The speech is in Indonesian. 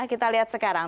kita lihat sekarang